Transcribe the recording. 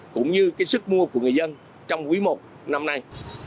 cũng như cái sức mua của người dân trong quỹ một năm nay